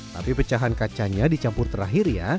tapi pecahan kacanya dicampur terakhir ya